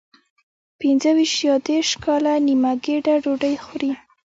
پنځه ویشت یا دېرش کاله نیمه ګېډه ډوډۍ خوري.